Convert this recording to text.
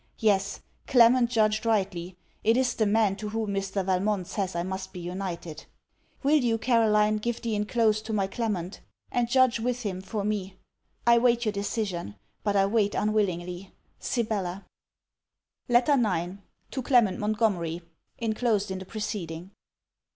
Yes; Clement judged rightly! It is the man to whom Mr. Valmont says I must be united. Will you, Caroline, give the inclosed to my Clement? Read it also; and judge with him for me. I wait your decision but I wait unwillingly. SIBELLA LETTER IX TO CLEMENT MONTGOMERY (Inclosed in the preceding.)